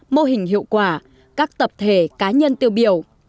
mô hình hiệu quả các tập thể cá nhân tiêu biểu